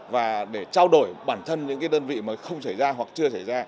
và để trao đổi bản thân những đơn vị mà không xảy ra hoặc chưa xảy ra